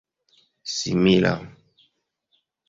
simila